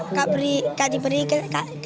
tidak diberi aturan